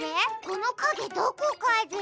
このかげどこかで。